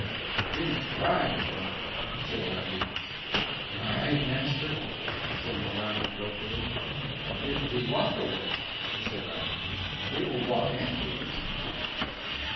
"We must ride, Morano," said Rodriguez. "Ride, master?" said Morano dolefully. "If we walk away," said Rodriguez, "they will walk after us."